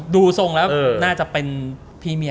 ดูทรงแล้วน่าจะเป็นพี่เมีย